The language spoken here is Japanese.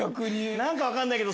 何か分かんないけど。